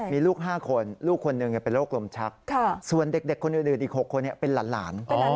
มีลูก๕คนลูกคนหนึ่งเป็นโรคลมชักส่วนเด็กคนอื่นอีก๖คนเป็นหลาน